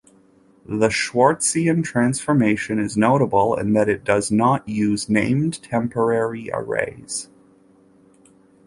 The Schwartzian transform is notable in that it does not use named temporary arrays.